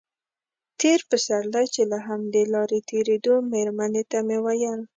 تېر پسرلی چې له همدې لارې تېرېدو مېرمنې ته مې ویل.